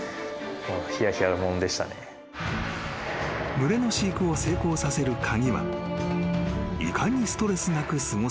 ［群れの飼育を成功させる鍵はいかにストレスなく過ごさせるか］